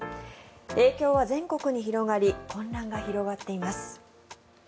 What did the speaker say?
影響は全国に広がり混乱が広がっています。